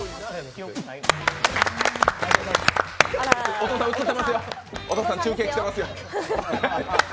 お父さん、映ってますよ、中継きてますよ。